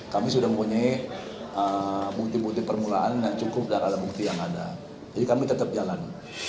kami sudah mempunyai bukti bukti permulaan yang cukup dan alat bukti yang ada jadi kami tetap jalan